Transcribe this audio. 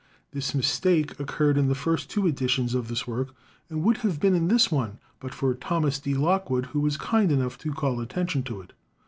This mistake occurred in the first two editions of this work, and would have been in this one but for Thomas D. Lock wood, who was kind enough to call attention to it.